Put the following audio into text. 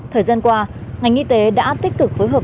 thời gian qua ngành y tế đã tích cực phối hợp